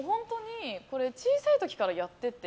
小さい時からやってて。